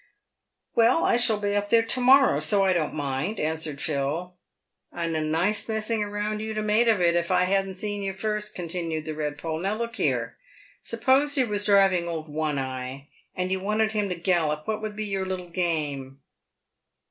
" "Well, I shall be up there to morrow, so I don't mind," answered Phil. " And a nice messing you'd a' made of it, if I hadn't seen you first," continued the Redpole. " Now, look here ! S'pose you was a driving old One eye, and you wanted Jiim to gallop, what would be your little game